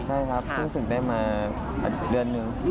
ใช่ครับซึ่งสินได้มาอันเดือนหนึ่ง